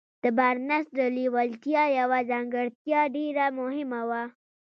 د بارنس د لېوالتیا يوه ځانګړتيا ډېره مهمه وه.